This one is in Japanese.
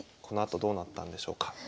このあとどうなったんでしょうか。